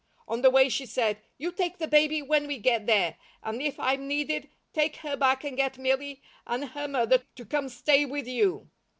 On the way she said, "You take the baby when we get there, and if I'm needed, take her back and get Milly and her mother to come stay with you.